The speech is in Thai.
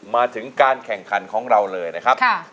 มาถึงการแข่งขันของเราเลยนะครับ